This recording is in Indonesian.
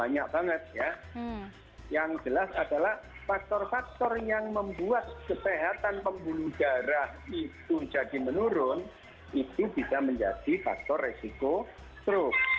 yang jelas adalah faktor faktor yang membuat kesehatan pembunuh darah itu jadi menurun itu bisa menjadi faktor resiko struk